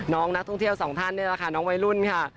นักท่องเที่ยวสองท่านนี่แหละค่ะน้องวัยรุ่นค่ะ